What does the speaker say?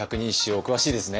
お詳しいですね。